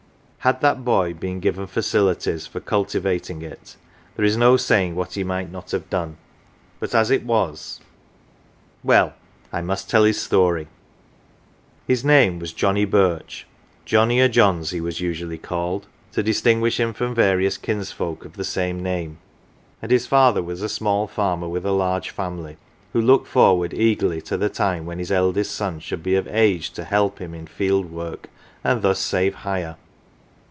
Had that boy been given facilities for cultivating it there is no saying what he might not have done, but as it was well, I must tell his story. His name was Johnnie Birch Johnnie o" John's he 55 CELEBRITIES was usually called, to distinguish him from various kins folk of the same name and his father was a small farmer with a large family, who looked forward eagerly to the time when his eldest son should be of age to help him in h'eld work and thus save " hire."